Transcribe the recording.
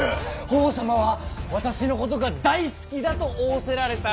法皇様は私のことが大好きだと仰せられた。